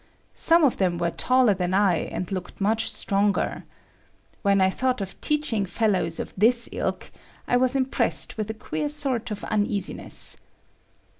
Some of them were taller than I and looked much stronger. When I thought of teaching fellows of this ilk, I was impressed with a queer sort of uneasiness.